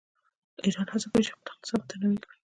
ایران هڅه کوي چې خپل اقتصاد متنوع کړي.